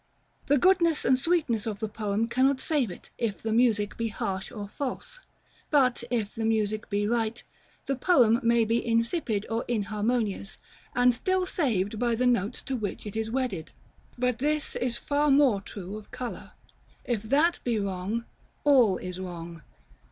The goodness and sweetness of the poem cannot save it, if the music be harsh or false; but, if the music be right, the poem may be insipid or inharmonious, and still saved by the notes to which it is wedded. But this is far more true of color. If that be wrong, all is wrong.